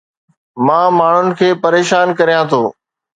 مان ماڻهن کي پريشان ڪريان ٿو